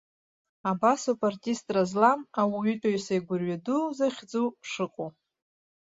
Абасоуп артистра злам, ауаҩытәыҩса игәырҩа ду захьӡу шыҟоу.